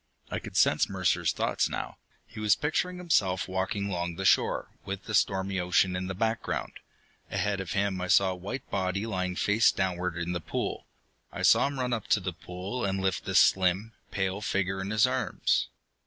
I could sense Mercer's thoughts now. He was picturing himself walking long the shore, with the stormy ocean in the background. Ahead of him I saw the white body lying face downward in the pool. I saw him run up to the pool and lift the slim, pale figure in his arms.